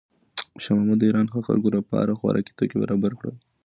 شاه محمود د ایران د خلکو لپاره خوراکي توکي برابر کړل.